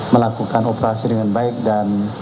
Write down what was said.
melakukan operasi dengan baik dan